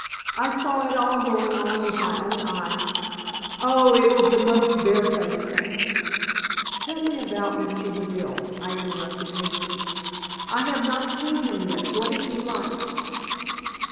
I saw it all going on with my own eyes. Oh! it was the most barefaced thing!" "Tell me about Mr. Deville," I interrupted hastily. "I have not seen him yet. What is he like?"